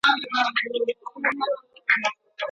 ولي محنتي ځوان د تکړه سړي په پرتله بریا خپلوي؟